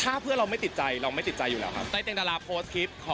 ถ้าเพื่อนเราไม่ติดใจเราไม่ติดใจอยู่แล้วครับ